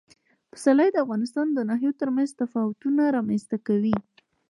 پسرلی د افغانستان د ناحیو ترمنځ تفاوتونه رامنځ ته کوي.